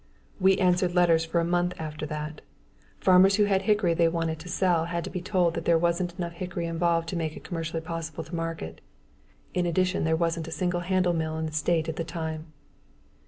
We answered letters for a month after that. Farmers who had hickory they wanted to sell had to be told that there wasn't enough hickory involved to make it commercially possible to market. In addition, there wasn't a single handle mill in the state at that time.